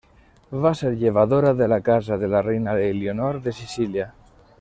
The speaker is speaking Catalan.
Va ser llevadora de la casa de la reina Elionor de Sicília.